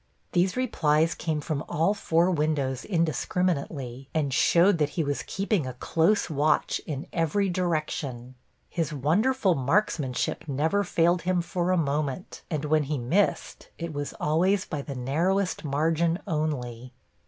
These replies came from all four windows indiscriminately, and showed that he was keeping a close watch in every direction. His wonderful marksmanship never failed him for a moment, and when he missed it was always by the narrowest margin only.